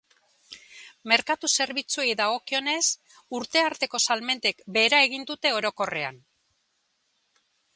Merkatu zerbitzuei dagokionez, urte arteko salmentek behera egin dute orokorrean.